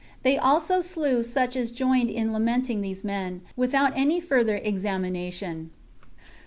They also slew such as joined in lamenting these men, without any further examination.